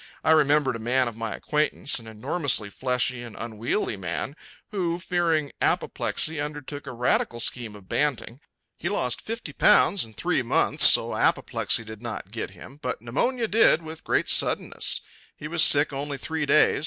I remembered a man of my acquaintance, an enormously fleshy and unwieldy man, who, fearing apoplexy, undertook a radical scheme of banting. He lost fifty pounds in three months, so apoplexy did not get him, but pneumonia did with great suddenness. He was sick only three days.